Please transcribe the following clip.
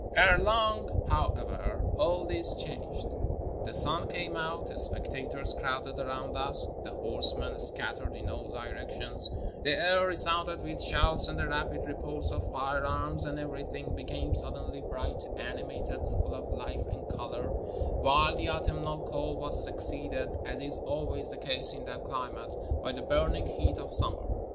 Erelong, however, all this changed, the sun came out, spectators crowded around us, the horsemen scattered in all directions, the air re sounded with shouts and the rapid reports of firearms, and everything became suddenly bright, animated, full of life and color, while the autumnal cold was succeeded, as is always the case in that climate, by the burning heat of summer.